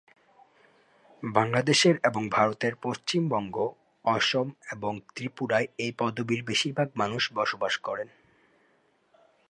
বাংলাদেশের এবং ভারতের পশ্চিমবঙ্গ, অসম ও ত্রিপুরায় এই পদবীর বেশিরভাগ মানুষ বসবাস করেন।